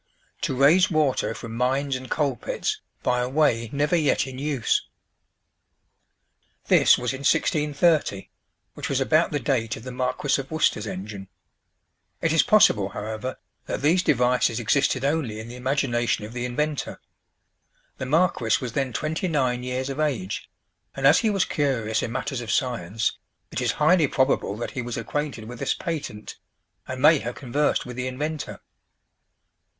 To raise water from mines and coal pits by a way never yet in use." This was in 1630, which was about the date of the Marquis of Worcester's engine. It is possible, however, that these devices existed only in the imagination of the inventor. The marquis was then twenty nine years of age, and as he was curious in matters of science, it is highly probable that he was acquainted with this patent, and may have conversed with the inventor.